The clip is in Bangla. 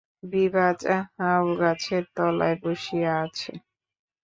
বিভা ঝাউগাছের তলায় বসিয়া আছে।